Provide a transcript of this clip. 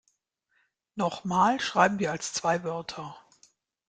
Noch mal schreiben wir als zwei Wörter.